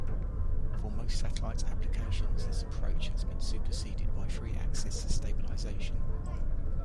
For most satellite applications this approach has been superseded by three-axis stabilisation.